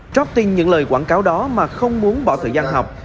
trót tin những lời quảng cáo đó mà không muốn bỏ thời gian học